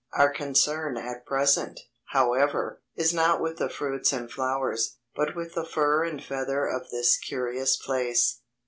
Our concern at present, however, is not with the fruits and flowers, but with the fur and feathers of this curious place.